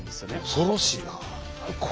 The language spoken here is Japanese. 恐ろしいな。